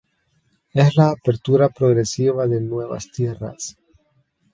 Es la apertura progresiva de nuevas tierras.